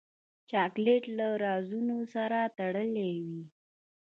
چاکلېټ له رازونو سره تړلی وي.